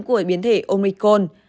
của biến thể omicron